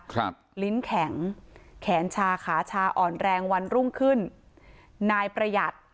ครับลิ้นแข็งแขนแขนชาขาชาอ่อนแรงวันรุ่งขึ้นนายประหยัด